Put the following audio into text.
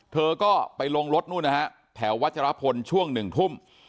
เธอก็ไปลงรถนู่นนะฮะแถววัชรพลช่วงหนึ่งทุ่ม